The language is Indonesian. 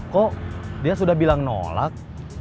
kok dia sudah bilang nolak